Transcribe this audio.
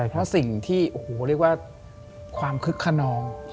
เพราะสิ่งที่ความขึ้กคนนอง